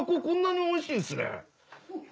こんなにおいしいんすね。